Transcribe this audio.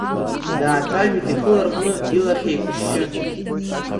Даацәажәеит ихы ларҟәны, илахь еиқәышьшьы.